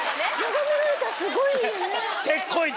眺められたらすごいいいよね。